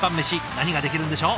何ができるんでしょう。